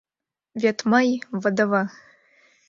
Вет мый — ВДВ!